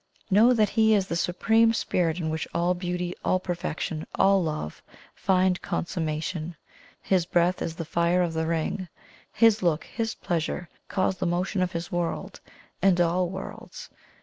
Know that He is the Supreme Spirit in which all Beauty, all Perfection, all Love, find consummation. His breath is the fire of the Ring; His look, His pleasure, cause the motion of His World and all worlds.